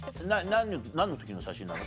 何の時の写真なの？